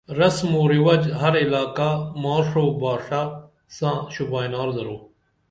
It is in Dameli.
رِسم او رِوج ہرعلاقہ ماݜو او باݜہ ساں شوبائنار درو